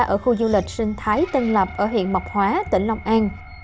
ở khu du lịch sinh thái tân lập ở huyện mộc hóa tỉnh long an